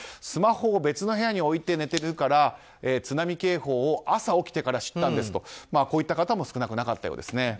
スマホを別の部屋に置いて寝てるから、津波警報を朝起きてから知ったんですとこういった方も少なくなかったようです。